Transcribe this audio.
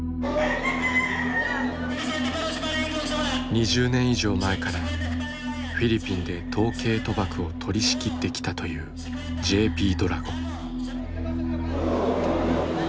２０年以上前からフィリピンで闘鶏賭博を取りしきってきたというＪＰドラゴン。